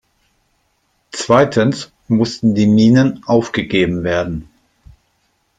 Zweitens mussten die Minen aufgegeben werden.